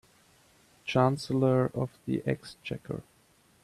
Chancellor of the Exchequer